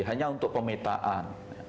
hanya untuk pemetaan